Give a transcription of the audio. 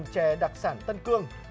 chè đặc sản tân cương